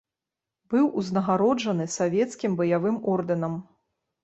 Быў узнагароджаны савецкім баявым ордэнам.